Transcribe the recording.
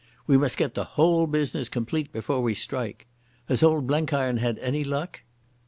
We must get the whole business complete before we strike. Has old Blenkiron had any luck?"